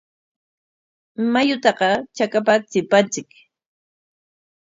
Mayutaqa chakapa chimpanchik.